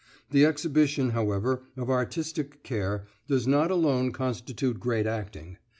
The exhibition, however, of artistic care does not alone constitute great acting.